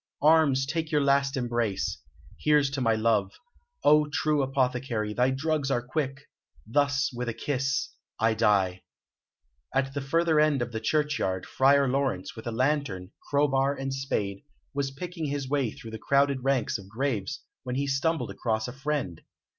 Arms, take your last embrace!... Here's to my love! O true apothecary, thy drugs are quick! Thus with a kiss I die." At the further end of the churchyard, Friar Laurence, with a lantern, crowbar, and spade, was picking his way through the crowded ranks of graves, when he stumbled across a friend.